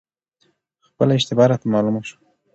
خپله اشتباه راته معلومه شوه،